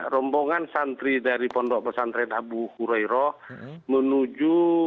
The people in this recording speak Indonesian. rombongan santri dari pondok pesantren abu hurairah menuju